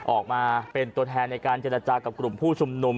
ออกมาเป็นตัวแทนในการเจรจากับกลุ่มผู้ชุมนุม